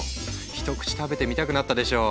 一口食べてみたくなったでしょう。